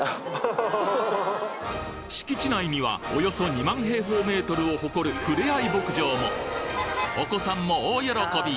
敷地内にはおよそ２万を誇るふれあい牧場もお子さんも大喜び！